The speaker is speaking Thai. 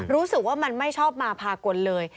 รู้สึกว่ามันไม่ชอบมาพากลเลย